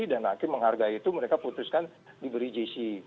dan hakim menghargai itu mereka putuskan diberi gc